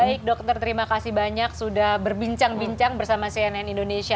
baik dokter terima kasih banyak sudah berbincang bincang bersama cnn indonesia